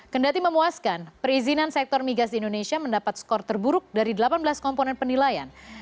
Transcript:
kendati memuaskan perizinan sektor migas di indonesia mendapat skor terburuk dari delapan belas komponen penilaian